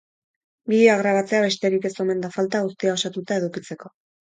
Bideoa grabatzea besterik ez omen da falta guztia osatuta edukitzeko.